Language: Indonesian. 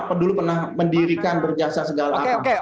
tapi banyak kok yang sudah mendirikan dan berjasa tidak lagi di partai kami